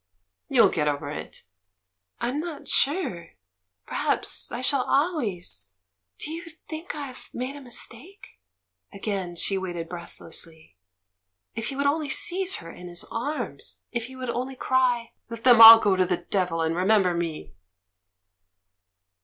"You'll get over it." "I'm not sure? Perhaps I shall always —? Do you think I've ... made a mistake?" Again she waited breathlessly. If he would only seize her in his arms ! If he would only cry, "Let them all go to the devil, and remember me!"